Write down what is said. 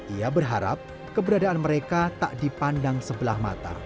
ia berharap keberadaan mereka tak dipandang sebelah mata